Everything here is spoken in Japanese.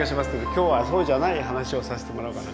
今日はそうじゃない話をさせてもらおうかな。